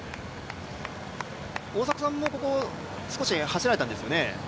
大迫さんもここ、少し走られたんですよね？